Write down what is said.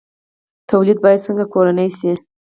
تولید باید څنګه کورنی شي؟